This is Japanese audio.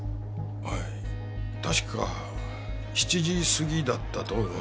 はい確か７時過ぎだったと思います。